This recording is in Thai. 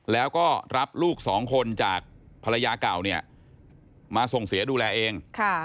แล้วก็รับลูกสองคนจากภรรยาเก่าเนี่ยมาส่งเสียดูแลเอง